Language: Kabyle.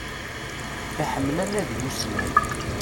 Iḥemmel anadi ussnan.